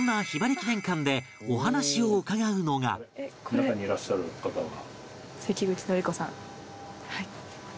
中にいらっしゃる方は。